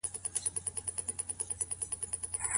الله تعالی چاته د اصلاح توفيق ورکوي؟